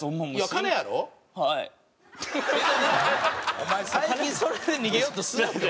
お前最近それで逃げようとするなよ。